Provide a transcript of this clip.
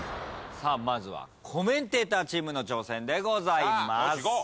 まずはコメンテーターチームの挑戦でございます。